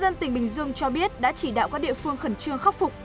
dân tỉnh bình dương cho biết đã chỉ đạo các địa phương khẩn trương khắc phục